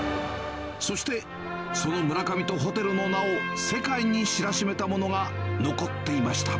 そしてその村上とホテルの名を世界に知らしめたものが残っていました。